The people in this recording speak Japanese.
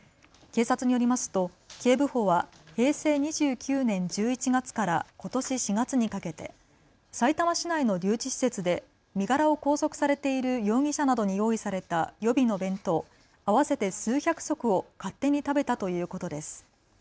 警察によりますと警部補は平成２９年１１月からことし４月にかけてさいたま市内の留置施設で身柄を拘束されている容疑者などに用意された予備の弁当合わせて数百食を勝手に食べたということです。